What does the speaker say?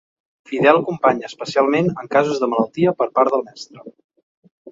Fidel company especialment en casos de malaltia per part del mestre.